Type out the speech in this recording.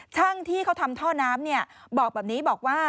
ช่างที่เขาทำท่อน้ำบอกแบบนี้บอกว่า